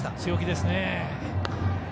強気ですね。